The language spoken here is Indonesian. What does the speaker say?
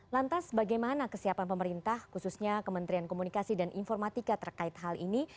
lantas bagaimana kesiapan pemerintah khususnya kementerian komunikasi dan informatika terkait hal ini